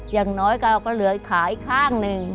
อย่างน้อยก็เหลือขายข้างหนึ่ง